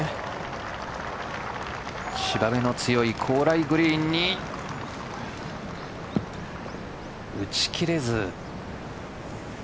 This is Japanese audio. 芝目の強い高麗グリーンに打ち切れず。